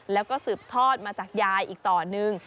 แล้วก็สืบทอดมาจากยายอีกต่อหนึ่ง